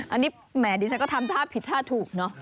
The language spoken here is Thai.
อันนี้แหมดิฉันก็ทำท่าผิดท่าถูกเนอะ